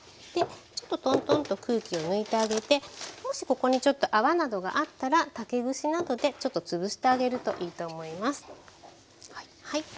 ちょっとトントンと空気を抜いてあげてもしここにちょっと泡などがあったら竹串などでつぶしてあげるといいと思います。